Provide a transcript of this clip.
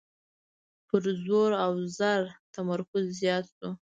پر زور او زر تمرکز زیات شو.